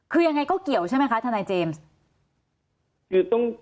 คือยังไงก็เกี่ยวใช่ไหมคะทนายเจมส์